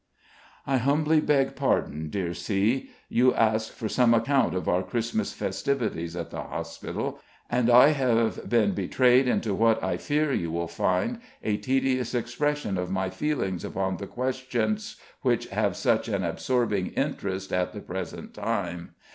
I humbly beg pardon, dear C. You asked for some account of our Christmas festivities at the hospital, and I have been betrayed into what, I fear you will find, a tedious expression of my feelings upon the questions which have such an absorbing interest at the present time.